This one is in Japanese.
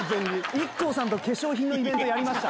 ＩＫＫＯさんと化粧品のイベントやりました。